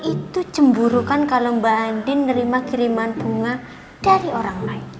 itu cemburukan kalau mbak andin nerima kiriman bunga dari orang lain